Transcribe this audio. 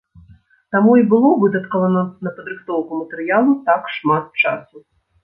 Таму і было выдаткавана на падрыхтоўку матэрыялу так шмат часу.